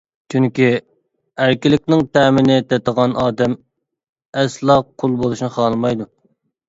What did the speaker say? چۈنكى ئەركىنلىكنىڭ تەمىنى تېتىغان ئادەم ئەسلا قۇل بولۇشنى خالىمايدۇ.